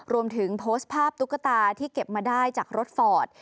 รวมถึงโพสต์ภาพตุ๊กตาที่เก็บมาได้จากรถฟอร์ด